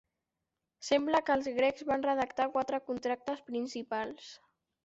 Sembla que els grecs van redactar quatre contractes principals.